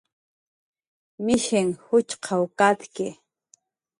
Mishinh juchqw katki